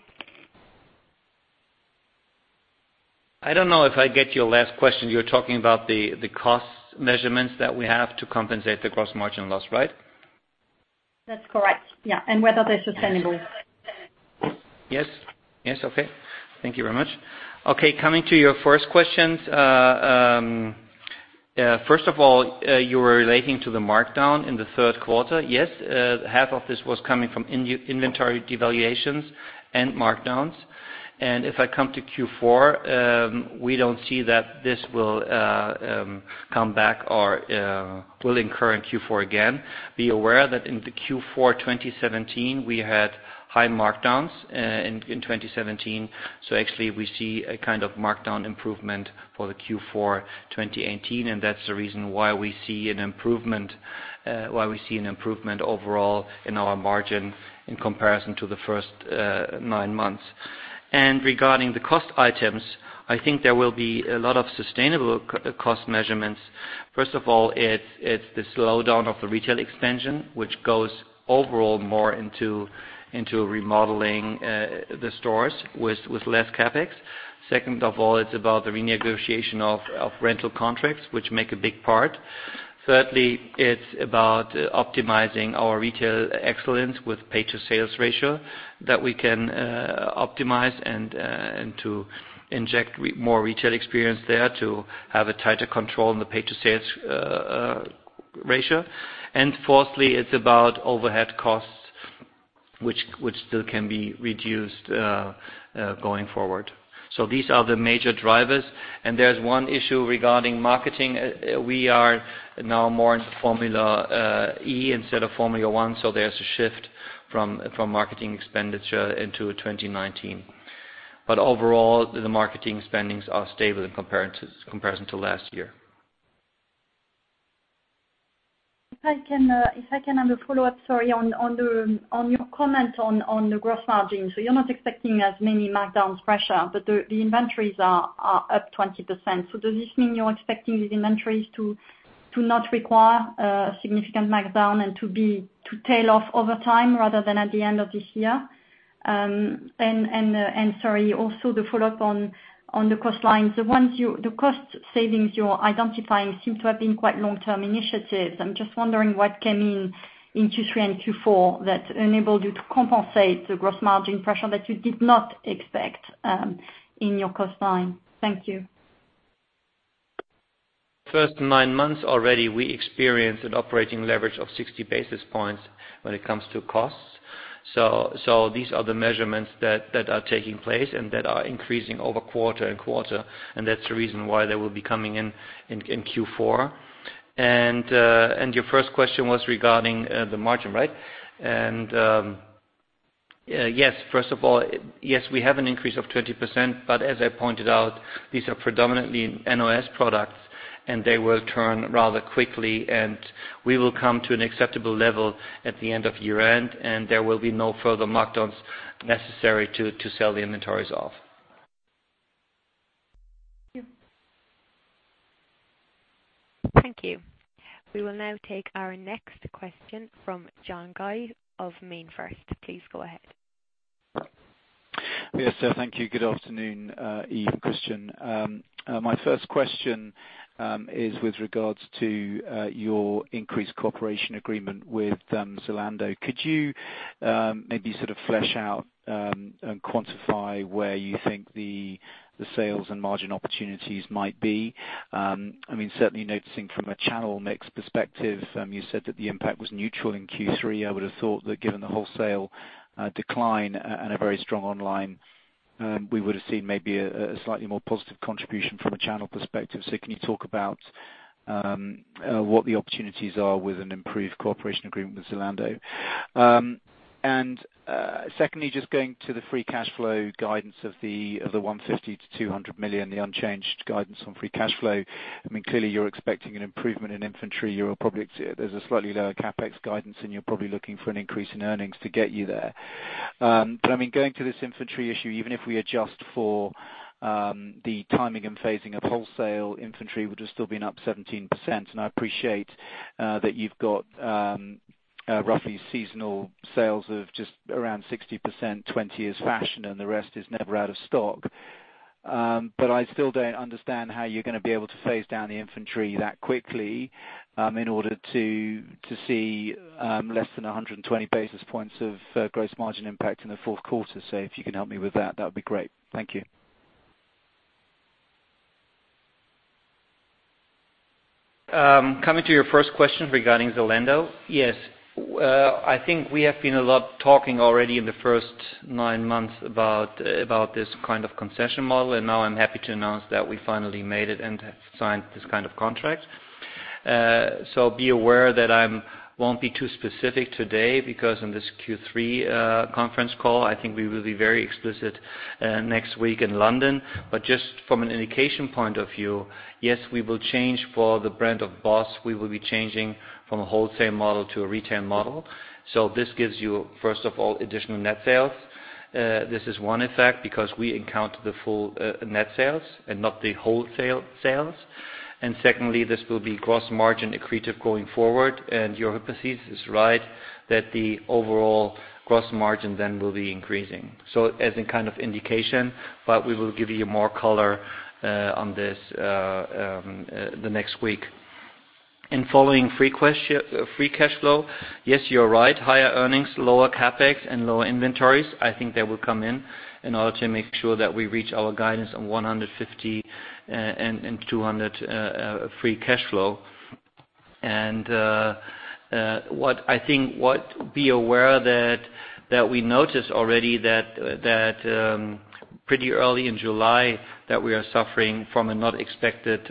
I don't know if I get your last question. You're talking about the cost measurements that we have to compensate the gross margin loss, right? That's correct. Yeah. Whether they're sustainable. Yes. Okay. Thank you very much. Okay. Coming to your first questions. First of all, you were relating to the markdown in the third quarter. Yes, half of this was coming from inventory devaluations and markdowns. If I come to Q4, we don't see that this will come back or will incur in Q4 again. Be aware that in the Q4 2017, we had high markdowns in 2017. Actually, we see a kind of markdown improvement for the Q4 2018, and that's the reason why we see an improvement overall in our margin in comparison to the first nine months. Regarding the cost items, I think there will be a lot of sustainable cost measurements. First of all, it's the slowdown of the retail expansion, which goes overall more into remodeling the stores with less CapEx. Second of all, it's about the renegotiation of rental contracts, which make a big part. Thirdly, it's about optimizing our retail excellence with Price-to-sales ratio that we can optimize and to inject more retail experience there to have a tighter control on the Price-to-sales ratio. Fourthly, it's about overhead costs, which still can be reduced going forward. These are the major drivers. There's one issue regarding marketing. We are now more into Formula E instead of Formula One, there's a shift from marketing expenditure into 2019. Overall, the marketing spendings are stable in comparison to last year. If I can have a follow-up, sorry, on your comment on the gross margin. You're not expecting as many markdowns pressure, but the inventories are up 20%. Does this mean you're expecting these inventories to not require a significant markdown and to tail off over time rather than at the end of this year? Sorry, also the follow-up on the cost line. The cost savings you're identifying seem to have been quite long-term initiatives. I'm just wondering what came in in Q3 and Q4 that enabled you to compensate the gross margin pressure that you did not expect in your cost line. Thank you. First nine months already, we experienced an operating leverage of 60 basis points when it comes to costs. These are the measurements that are taking place and that are increasing over quarter-over-quarter, and that's the reason why they will be coming in in Q4. Your first question was regarding the margin, right? Yes, first of all, yes, we have an increase of 20%, but as I pointed out, these are predominantly NOS products and they will turn rather quickly and we will come to an acceptable level at the end of year-end, and there will be no further markdowns necessary to sell the inventories off. Thank you. Thank you. We will now take our next question from John Guy of MainFirst. Please go ahead. Yes. Thank you. Good afternoon, Yves, Christian. My first question is with regards to your increased cooperation agreement with Zalando. Could you maybe sort of flesh out and quantify where you think the sales and margin opportunities might be? Certainly noticing from a channel mix perspective, you said that the impact was neutral in Q3. I would have thought that given the wholesale decline and a very strong online, we would have seen maybe a slightly more positive contribution from a channel perspective. Can you talk about what the opportunities are with an improved cooperation agreement with Zalando? Secondly, just going to the free cash flow guidance of the 150 million to 200 million, the unchanged guidance on free cash flow. Clearly, you're expecting an improvement in inventory. There's a slightly lower CapEx guidance and you're probably looking for an increase in earnings to get you there. Going to this inventory issue, even if we adjust for the timing and phasing of wholesale inventory, which has still been up 17%. I appreciate that you've got roughly seasonal sales of just around 60%, 20 is fashion and the rest is never out of stock. I still don't understand how you're going to be able to phase down the inventory that quickly in order to see less than 120 basis points of gross margin impact in the fourth quarter. If you can help me with that would be great. Thank you. Coming to your first question regarding Zalando. Yes. I think we have been a lot talking already in the first nine months about this kind of concession model, and now I'm happy to announce that we finally made it and have signed this kind of contract. Be aware that I won't be too specific today because on this Q3 conference call, I think we will be very explicit next week in London. Just from an indication point of view, yes, we will change. For the brand of BOSS, we will be changing from a wholesale model to a retail model. This gives you, first of all, additional net sales. This is one effect because we encounter the full net sales and not the wholesale sales. Secondly, this will be gross margin accretive going forward. Your hypothesis is right, that the overall gross margin then will be increasing. As a kind of indication, but we will give you more color on this the next week. In following free cash flow, yes, you are right. Higher earnings, lower CapEx, and lower inventories. I think they will come in in order to make sure that we reach our guidance on 150 and 200 free cash flow. What I think, be aware that we noticed already that pretty early in July that we are suffering from a not expected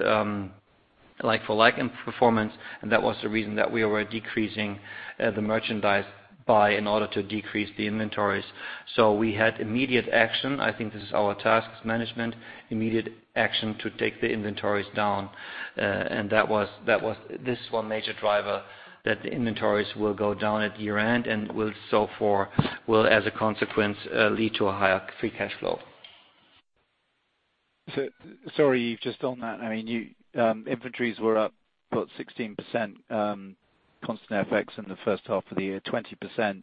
like-for-like in performance, and that was the reason that we were decreasing the merchandise buy in order to decrease the inventories. We had immediate action. I think this is our task as management, immediate action to take the inventories down. That was this one major driver that the inventories will go down at year-end and will as a consequence, lead to a higher free cash flow. Sorry, Yves, just on that. Inventories were up, what, 16% constant FX in the first half of the year, 20%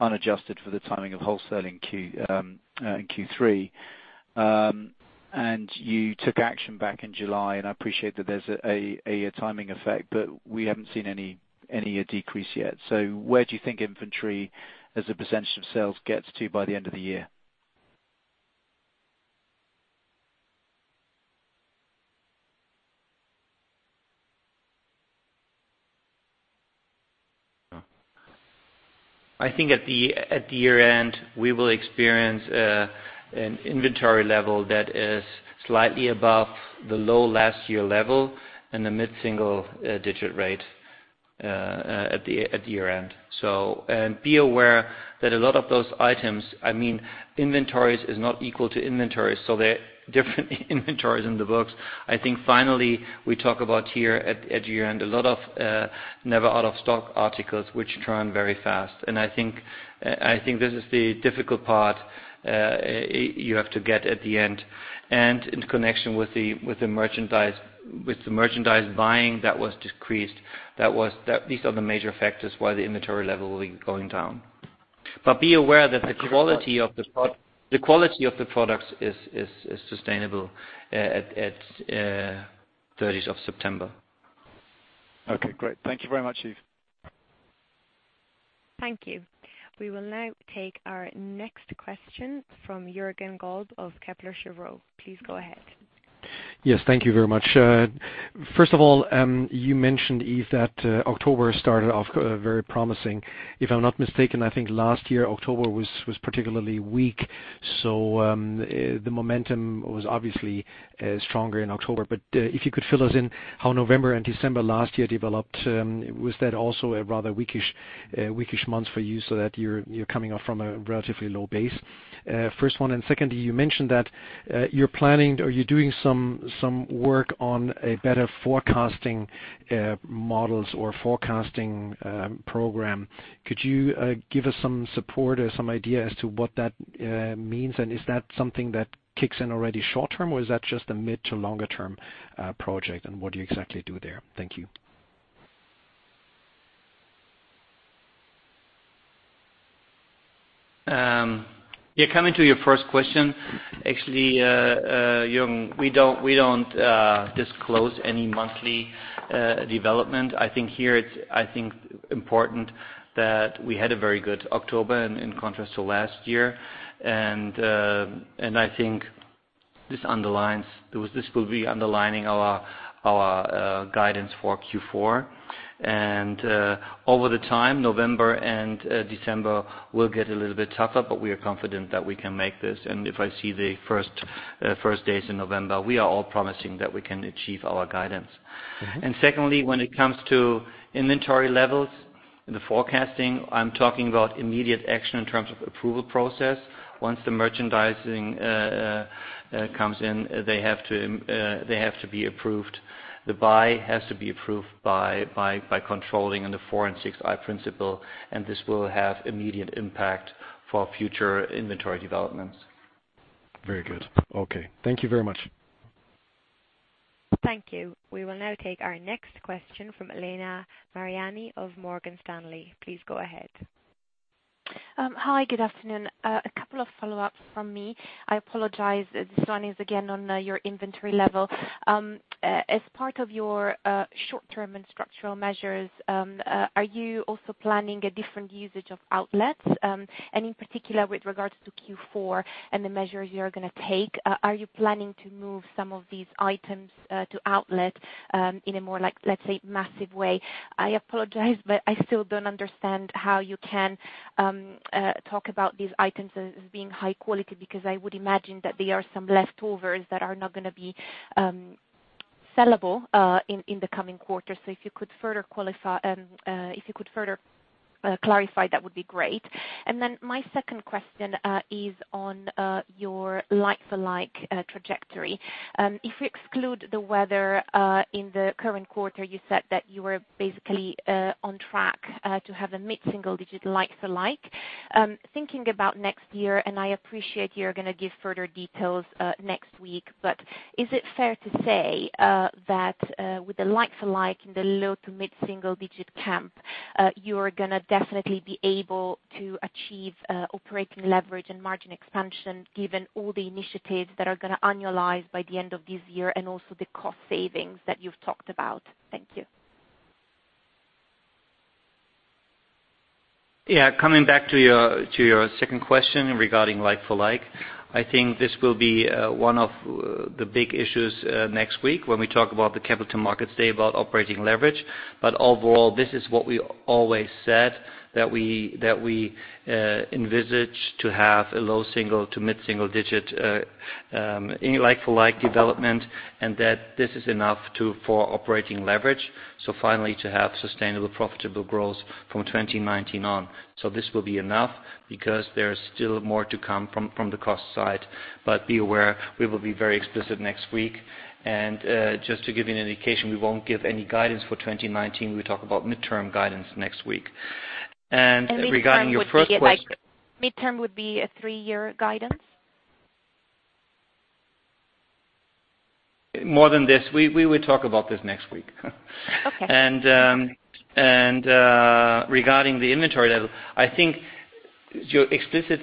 unadjusted for the timing of wholesaling in Q3. You took action back in July, I appreciate that there's a timing effect, we haven't seen any decrease yet. Where do you think inventory as a percentage of sales gets to by the end of the year? I think at the year-end, we will experience an inventory level that is slightly above the low last year level and the mid-single-digit rate at the year-end. Be aware that a lot of those items, inventories is not equal to inventories, there are different inventories in the books. I think finally, we talk about here at year-end, a lot of never out-of-stock articles which turn very fast. I think this is the difficult part you have to get at the end. In connection with the merchandise buying that was decreased. These are the major factors why the inventory level will be going down. Be aware that the quality of the products is sustainable at 30th of September. Okay, great. Thank you very much, Yves. Thank you. We will now take our next question from Jürgen Kolb of Kepler Cheuvreux. Please go ahead. Yes, thank you very much. First of all, you mentioned, Yves, that October started off very promising. If I'm not mistaken, I think last year, October was particularly weak. The momentum was obviously stronger in October. If you could fill us in how November and December last year developed. Was that also a rather weakish month for you so that you're coming off from a relatively low base? First one. Secondly, you mentioned that you're planning or you're doing some work on a better forecasting models or forecasting program. Could you give us some support or some idea as to what that means? Is that something that kicks in already short term or is that just a mid to longer term project and what do you exactly do there? Thank you. Yeah. Coming to your first question, actually, Jürgen, we don't disclose any monthly development. I think here it's important that we had a very good October in contrast to last year. I think this will be underlining our guidance for Q4. Over the time, November and December will get a little bit tougher, but we are confident that we can make this. If I see the first days in November, we are all promising that we can achieve our guidance. Secondly, when it comes to inventory levels and the forecasting, I'm talking about immediate action in terms of approval process. Once the merchandising comes in, they have to be approved. The buy has to be approved by controlling in the 4 and 6 eye principle, and this will have immediate impact for future inventory developments. Very good. Okay. Thank you very much. Thank you. We will now take our next question from Elena Mariani of Morgan Stanley. Please go ahead. Hi, good afternoon. A couple of follow-ups from me. I apologize this one is again on your inventory level. As part of your short-term and structural measures, are you also planning a different usage of outlets? In particular with regards to Q4 and the measures you're going to take, are you planning to move some of these items to outlet in a more like, let's say, massive way? I apologize, I still don't understand how you can talk about these items as being high quality, because I would imagine that they are some leftovers that are not going to be sellable in the coming quarter. If you could further clarify, that would be great. My second question is on your like-for-like trajectory. If we exclude the weather in the current quarter, you said that you were basically on track to have a mid-single digit like-for-like. Thinking about next year, and I appreciate you're going to give further details next week, but is it fair to say that with the like-for-like in the low to mid-single digit camp, you are going to definitely be able to achieve operating leverage and margin expansion given all the initiatives that are going to annualize by the end of this year and also the cost savings that you've talked about? Thank you. Yeah. Coming back to your second question regarding like-for-like, I think this will be one of the big issues next week when we talk about the Capital Markets Day about operating leverage. Overall, this is what we always said, that we envisage to have a low single to mid-single digit in like-for-like development, and that this is enough for operating leverage. Finally, to have sustainable, profitable growth from 2019 on. This will be enough because there is still more to come from the cost side, but be aware, we will be very explicit next week. Just to give you an indication, we won't give any guidance for 2019. We talk about midterm guidance next week. Regarding your first question Midterm would be a three-year guidance? More than this. We will talk about this next week. Okay. Regarding the inventory level, I think your explicit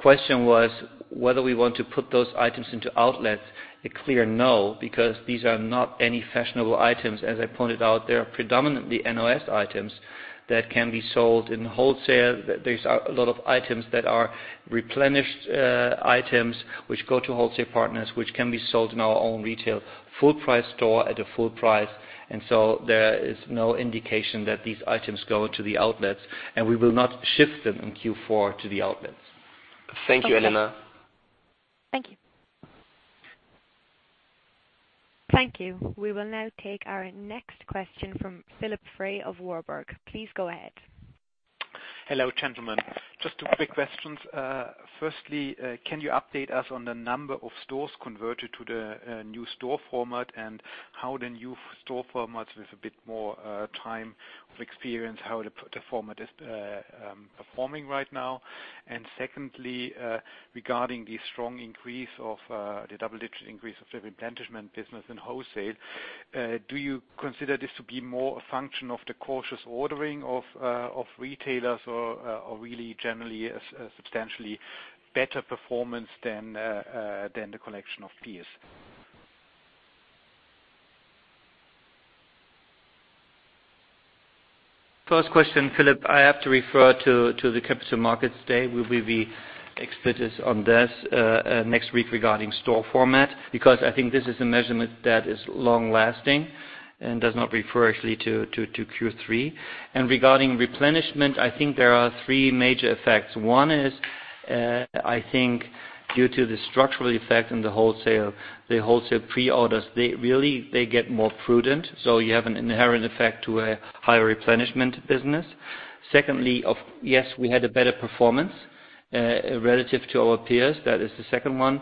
question was whether we want to put those items into outlets. A clear no, because these are not any fashionable items. As I pointed out, they are predominantly NOS items that can be sold in wholesale. There is a lot of items that are replenished items which go to wholesale partners, which can be sold in our own retail full price store at a full price. So there is no indication that these items go into the outlets, and we will not shift them in Q4 to the outlets. Thank you, Elena. Thank you. Thank you. We will now take our next question from Philipp Frey of Warburg. Please go ahead. Hello, gentlemen. Just two quick questions. Firstly, can you update us on the number of stores converted to the new store format and how the new store format with a bit more time of experience, how the format is performing right now? Secondly, regarding the strong increase of the double-digit increase of the replenishment business and wholesale, do you consider this to be more a function of the cautious ordering of retailers or really generally a substantially better performance than the collection of peers? First question, Philipp, I have to refer to the Capital Markets Day. We will be explicit on this next week regarding store format, because I think this is a measurement that is long-lasting and does not refer actually to Q3. Regarding replenishment, I think there are three major effects. One is, I think due to the structural effect in the wholesale, the wholesale pre-orders, they get more prudent. You have an inherent effect to a higher replenishment business. Secondly, yes, we had a better performance relative to our peers. That is the second one.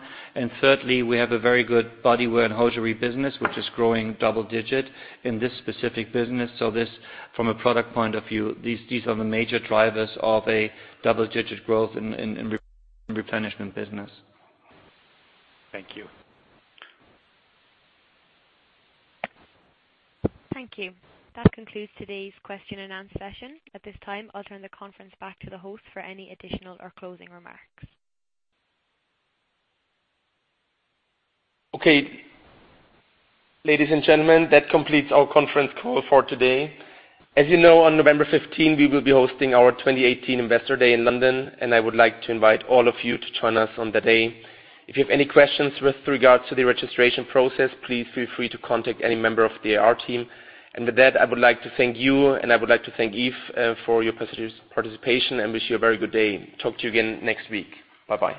Thirdly, we have a very good body wear and hosiery business, which is growing double-digit in this specific business. This, from a product point of view, these are the major drivers of a double-digit growth in replenishment business. Thank you. Thank you. That concludes today's question and answer session. At this time, I'll turn the conference back to the host for any additional or closing remarks. Okay. Ladies and gentlemen, that completes our conference call for today. As you know, on November 15, we will be hosting our 2018 Investor Day in London. I would like to invite all of you to join us on the day. If you have any questions with regards to the registration process, please feel free to contact any member of the IR team. With that, I would like to thank you, and I would like to thank Yves for your participation and wish you a very good day. Talk to you again next week. Bye-bye